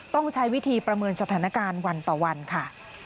ต้องใช้วิธีประเมินสถานการณ์วันต่อวันค่ะ